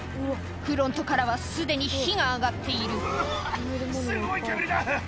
フロントからはすでに火が上がっすごい煙だ！